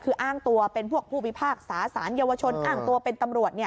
คืออ้างตัวเป็นพวกผู้พิพากษาสารเยาวชนอ้างตัวเป็นตำรวจ